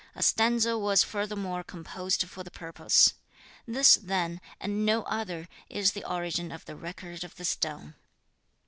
A stanza was furthermore composed for the purpose. This then, and no other, is the origin of the Record of the Stone.